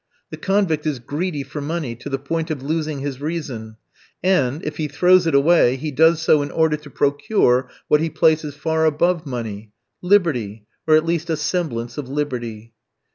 The convict is greedy for money, to the point of losing his reason, and, if he throws it away, he does so in order to procure what he places far above money liberty, or at least a semblance of liberty.